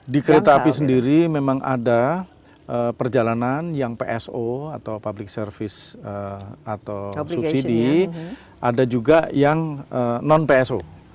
di kereta api sendiri memang ada perjalanan yang pso atau public service atau subsidi ada juga yang non pso